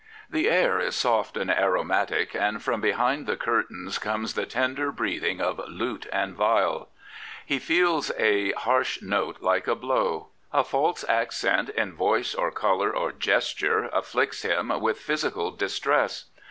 The air is soft and aromatic, and from behind the curtains comes ^the tender breathing of lute and viol. He feels a harsh note like a blow; a false accentTn voice or colour or gesture afflicts him with physical distress.